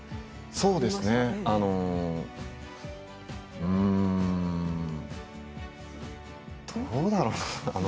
そうですねどうだろうな。